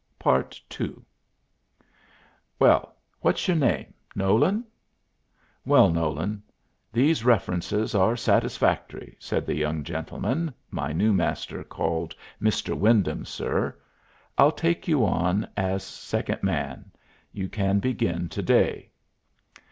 PART II "Well, what's your name Nolan? Well, Nolan, these references are satisfactory," said the young gentleman my new Master called "Mr. Wyndham, sir." "I'll take you on as second man. You can begin to day."